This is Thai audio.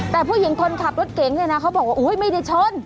แต่ผู้หญิงคนขับรถเก่งเนี่ยนะเขาบอกว่าไม่ได้ชน